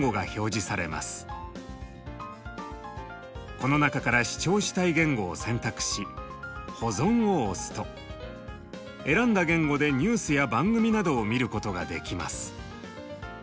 この中から視聴したい言語を選択し「保存」を押すと選んだ言語でニュースや番組などを見ることができます。